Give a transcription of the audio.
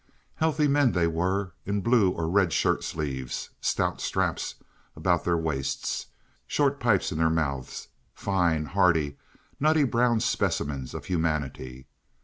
Healthy men they were, in blue or red shirt sleeves, stout straps about their waists, short pipes in their mouths, fine, hardy, nutty brown specimens of humanity.